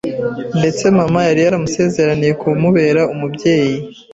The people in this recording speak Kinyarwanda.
ndetse Mama yari yaramusezeraniye kumubera umubyeyi